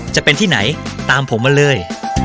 จะเป็นที่ไหนตามผมมาเลย